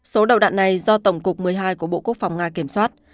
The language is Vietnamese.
số đầu đạn này do tổng cục một mươi hai của bộ quốc phòng nga kiểm soát